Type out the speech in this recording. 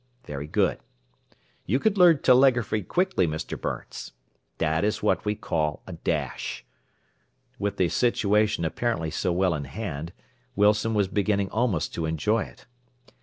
Very good. You would learn telegraphy quickly, Mr. Burns. That is what we call a 'dash.'" With the situation apparently so well in hand, Wilson was beginning almost to enjoy it.